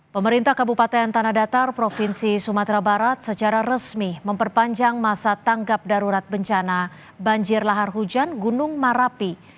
pemerintah kabupaten tanah datar provinsi sumatera barat secara resmi memperpanjang masa tanggap darurat bencana banjir lahar hujan gunung merapi